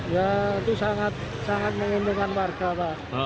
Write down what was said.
ya itu sangat sangat menghindukan warga pak